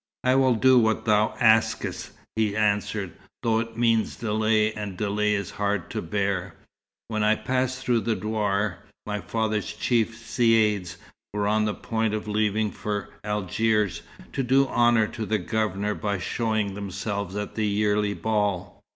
"I will do what thou askest," he answered, "though it means delay, and delay is hard to bear. When I passed through the douar, my father's chief caïds were on the point of leaving for Algiers, to do honour to the Governor by showing themselves at the yearly ball.